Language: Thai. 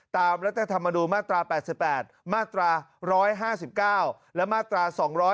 รัฐธรรมนูญมาตรา๘๘มาตรา๑๕๙และมาตรา๒๗